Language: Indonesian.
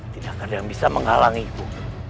tidak ada yang bisa menghalangi ibu